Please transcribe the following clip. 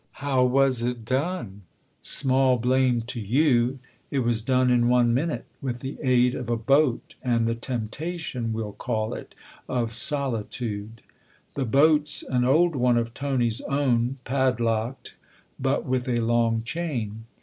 " How was it done ? Small blame to you ! It was done in one minute with the aid of a boat and the temptation (we'll call it !) of solitude. The boat's an old one of Tony's own pad locked, but with a long chain.